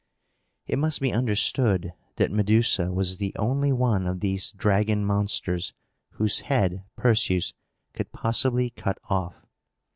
It must be understood that Medusa was the only one of these dragon monsters whose head Perseus could possibly cut off.